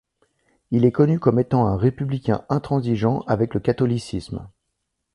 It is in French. Il est connu comme étant un républicain intransigeant avec le catholicisme.